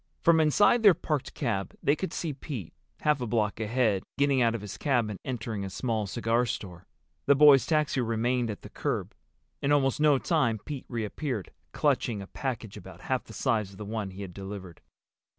From inside their parked cab they could see Pete, half a block ahead, getting out of his cab and entering a small cigar store. The boy's taxi remained at the curb. In almost no time Pete reappeared, clutching a package about half the size of the one he had delivered.